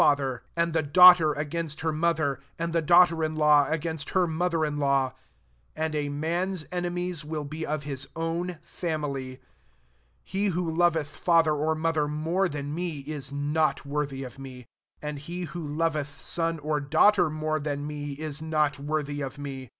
39 father, and the daughter against her mother, and the daughter io Iaw against her mother in law. 36 And a man's enemies mil be of hia own family. 37 He who Ipveth father or mo ther more than me, is not wor thy of me : and he who loveth son or daughter more than me, is not worthy of me.